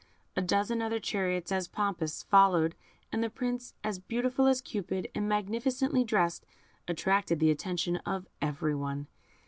A dozen other chariots, as pompous, followed; and the Prince, as beautiful as Cupid, and magnificently dressed, attracted the attention of every one.